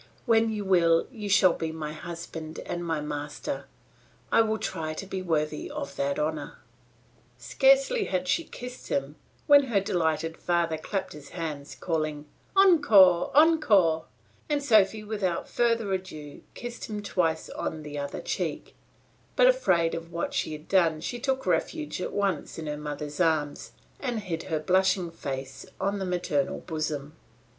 When you will, you shall be my husband and my master; I will try to be worthy of that honour." Scarcely had she kissed him, when her delighted father clapped his hands calling, "Encore, encore," and Sophy without further ado, kissed him twice on the other cheek; but afraid of what she had done she took refuge at once in her mother's arms and hid her blushing face on the maternal bosom.